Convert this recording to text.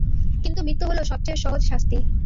কিন্তু মৃত্যু হল সবচেয়ে সহজ শাস্তি।